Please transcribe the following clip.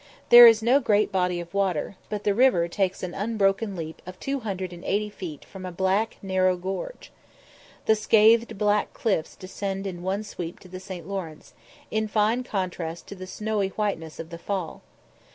There is no great body of water, but the river takes an unbroken leap of 280 feet from a black narrow gorge. The scathed black cliffs descend in one sweep to the St. Lawrence, in fine contrast to the snowy whiteness of the fall.